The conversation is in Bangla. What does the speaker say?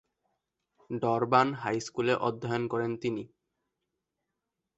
ডারবান হাইস্কুলে অধ্যয়ন করেন তিনি।